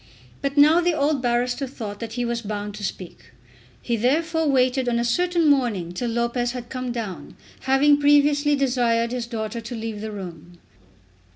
But now the old barrister thought that he was bound to speak. He therefore waited on a certain morning till Lopez had come down, having previously desired his daughter to leave the room.